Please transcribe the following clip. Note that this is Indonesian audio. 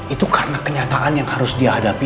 itu karena kenyataan yang harus dia hadapi